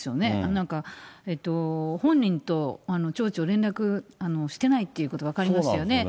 なんか本人と町長、連絡してないっていうことが分かりましたよね。